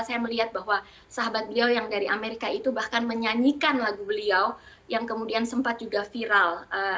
dan saya melihat bahwa sahabat beliau yang dari amerika itu bahkan menyanyikan lagu beliau yang kemudian sempat juga viral